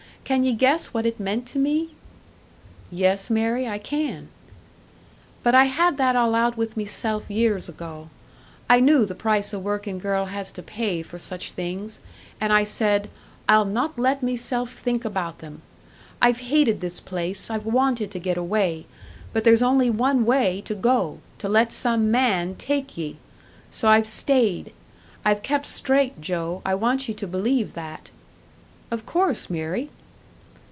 Can ye guess what it meant to me?" "Yes, Mary, I can." "But I had that all out with meself years ago. I knew the price a workin' girl has to pay for such things, and I said, I'll not let meself think about them. I've hated this place, I've wanted to get away but there's only one way to go, to let some man take ye! So I've stayed; I've kept straight, Joe. I want ye to believe that." "Of course, Mary!"